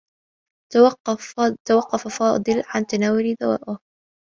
توقّف فاضل عن تناول دوائه.